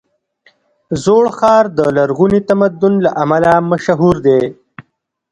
زوړ ښار د لرغوني تمدن له امله مشهور دی.